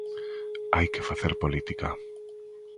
Hai que facer política.